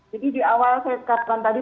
jadi di awal saya katakan tadi